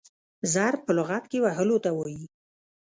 ضرب په لغت کښي وهلو ته وايي.